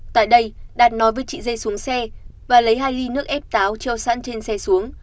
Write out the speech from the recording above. tại đây đạt nói với chị dê xuống xe và lấy hai ly nước ép táo treo sẵn trên xe xuống